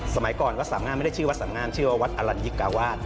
สมัยก่อนวัดสามงามไม่ได้ชื่อวัดสามงามชื่อว่าวัดอลัญญิกาวาส